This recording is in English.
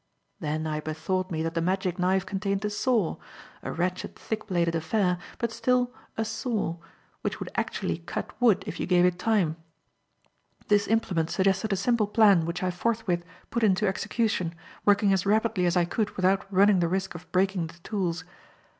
Then I bethought me that the magic knife contained a saw a wretched, thick bladed affair, but still a saw which would actually cut wood if you gave it time. This implement suggested a simple plan which I forthwith put into execution, working as rapidly as I could without running the risk of breaking the tools.